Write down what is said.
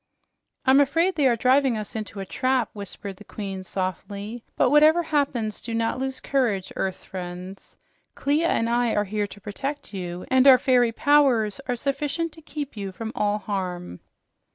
"I'm afraid they are driving us into a trap," whispered the Queen softly. "But whatever happens, do not lose courage, earth friends. Clia and I are here to protect you, and our fairy powers are sufficient to keep you from all harm."